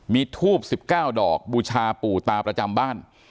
มีทูบ๑๙ดอกบูชาปู่ตาประจำบ้าน